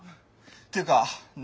ていうか何これ。